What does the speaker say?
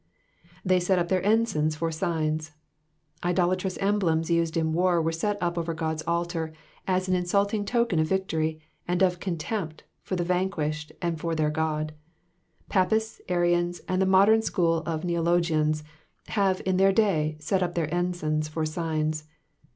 ''^They set tip their ensigns for signs.''^ Idolatrous emblems used in war were set up over God's altar, as an insulting token of victory, and of contempt for the vanquished and their God. Papists, Arians, and the modern school of Neologians, have, in their day, set up their ensigns for signs.